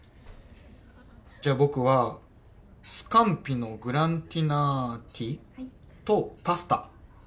じゃ僕はスカンピのグラティナーティ？とパスタ。